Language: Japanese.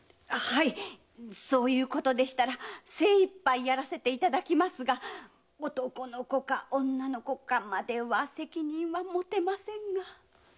はいそういうことでしたら精一杯やらせていただきますが男の子か女の子かまでは責任が持てませんが。